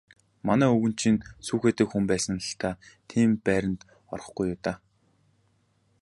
Манай өвгөн чинь сүүхээтэй хүн байсандаа л тийм байранд орохгүй юу даа.